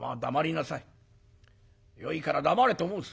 よいから黙れと申す。